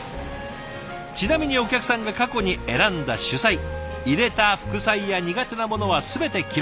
ちなみにお客さんが過去に選んだ主菜入れた副菜や苦手なものは全て記録。